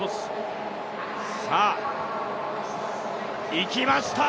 いきました！